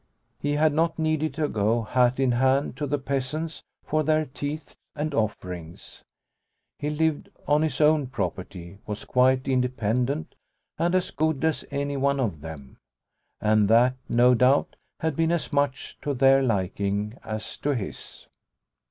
He had not needed to go, hat in hand, to the peasants for their tithes and offerings. He lived on his own property, was quite independent, and as good as any one of them. And that, no doubt, had been as much to their liking as to his.